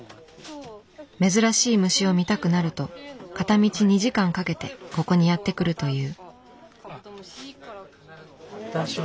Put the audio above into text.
珍しい虫を見たくなると片道２時間かけてここにやって来るという。